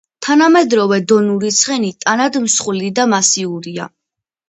თანამედროვე დონური ცხენი ტანად მსხვილი და მასიურია.